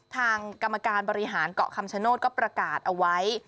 ทางกรรมการบริหารเกาะคำชโนธก็ประกาศเอาไว้